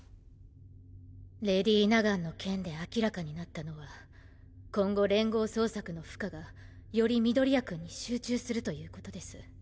レディ・ナガンの件で明らかになったのは今後連合捜索の負荷がより緑谷くんに集中するという事です。